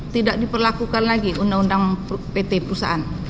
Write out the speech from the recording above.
tidak diperlakukan lagi undang undang pt perusahaan